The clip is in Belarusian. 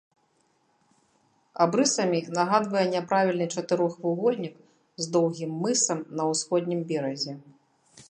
Абрысамі нагадвае няправільны чатырохвугольнік з доўгім мысам на ўсходнім беразе.